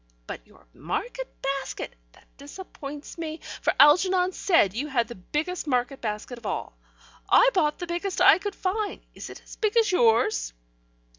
But your market basket: that disappoints me, for Algernon said you had the biggest market basket of all. I bought the biggest I could find: is it as big as yours?"